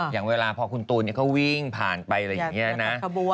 อย่างเวลาพอคุณตูนเขาวิ่งผ่านไปอะไรอย่างนี้นะ